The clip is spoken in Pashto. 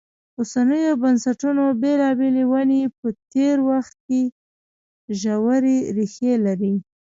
اوسنیو بنسټونو بېلابېلې ونې په تېر وخت کې ژورې ریښې لري.